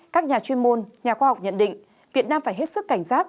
các nhà chuyên môn nhà khoa học nhận định việt nam phải hết sức cảnh giác